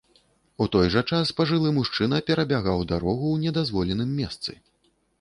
У той жа час пажылы мужчына перабягаў дарогу ў недазволеным месцы.